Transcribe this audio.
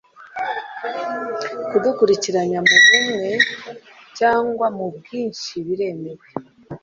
kudukurikiranya mu bumwe cyangwa mu bwinshi biremewe